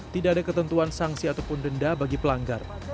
tidak ada ketentuan sanksi ataupun denda bagi pelanggar